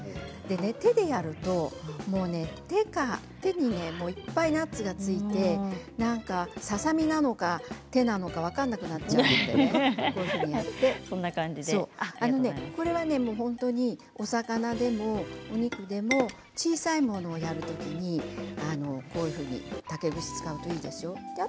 手でやると手にいっぱいナッツがついてささ身なのか手なのか分からなくなっちゃうのこれは本当にお魚でもお肉でも小さいものをやるときに竹串を使うといいですよ。